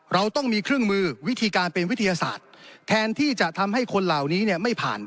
เราต้องมีเครื่องมือวิธีการเป็นวิทยาศาสตร์แทนที่จะทำให้คนเหล่านี้เนี่ยไม่ผ่าน